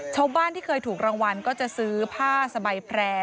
ชาวบ้านที่เคยถูกรางวัลก็จะซื้อผ้าสบายแพร่